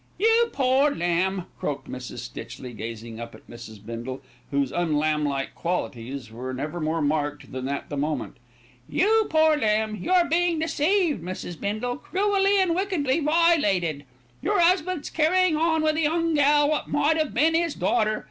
"You poor lamb," croaked Mrs. Stitchley, gazing up at Mrs. Bindle, whose unlamblike qualities were never more marked than at that moment. "You poor lamb. You're being deceived, Mrs. Bindle, cruelly and wickedly vilated. Your 'usbindt's carrying on with a young gal wot might 'ave been 'is daughter.